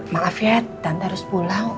maaf ya tanpa harus pulang